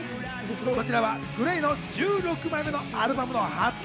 こちらはＧＬＡＹの１６枚目のアルバムの発売